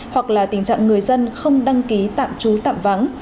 hoặc là tình trạng người dân không đăng ký tạm trú tạm vắng